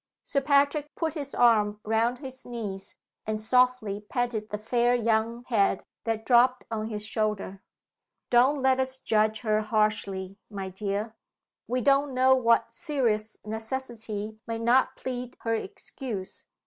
_" Sir Patrick put his arm round his niece, and softly patted the fair young head that dropped on his shoulder. "Don't let us judge her harshly, my dear: we don't know what serious necessity may not plead her excuse.